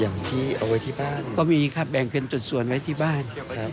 ที่เอาไว้ที่บ้านก็มีครับแบ่งเป็นจุดส่วนไว้ที่บ้านครับ